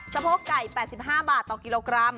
โพกไก่๘๕บาทต่อกิโลกรัม